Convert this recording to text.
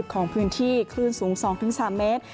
ของพื้นที่คลื่นสูง๒๓เมตร